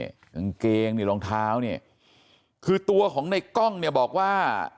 กางเกงนี่รองเท้าเนี่ยคือตัวของในกล้องเนี่ยบอกว่า